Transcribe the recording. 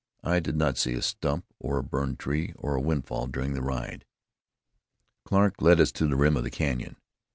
I did not see a stump, or a burned tree, or a windfall during the ride. Clarke led us to the rim of the canyon.